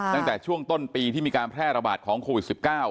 ตั้งแต่ช่วงต้นปีที่มีการแพร่ระบาดของโควิด๑๙